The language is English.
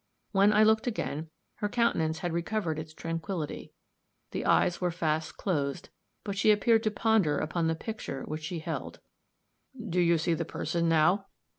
When I looked again, her countenance had recovered its tranquillity; the eyes were fast closed, but she appeared to ponder upon the picture which she held. "Do you see the person now?"